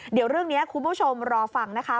เดี๋ยวเรื่องนี้คุณผู้ชมรอฟังนะคะ